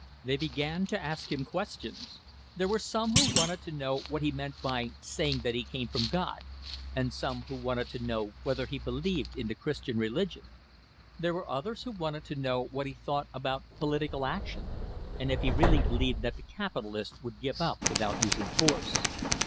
They began to ask him questions. There were some who wanted to know what he meant by saying that he came from God, and some who wanted to know whether he believed in the Christian religion. There were others who wanted to know what he thought about political action, and if he really believed that the capitalists would give up without using force.